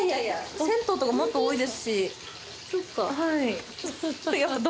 銭湯とかもっと多いですし。